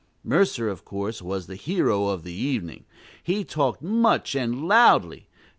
Mercer, of course, was the hero of the evening: he talked much and loudly.